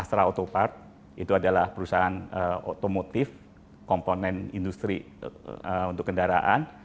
astra autopark itu adalah perusahaan otomotif komponen industri untuk kendaraan